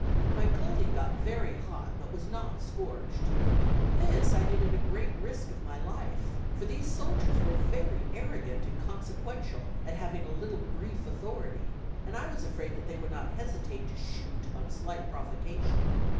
My clothing got very hot but was not scorched. This I did at a great risk of my life, for these soldiers were very arrogant and consequential at having a little brief authority, and I was afraid they would not hesitate to shoot on slight provocation.